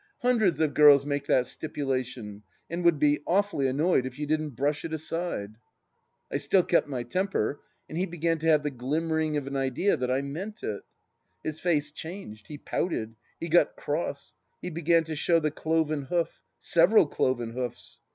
" Hundreds of girls make that stipulation, and would be awfully annoyed if you didn't brush it aside !" I still kept my temper, and he began to have the glimmer ing of an idea that I meant it. His face changed, he pouted, he got cross, he began to show the cloven hoof — several cloven hoofs.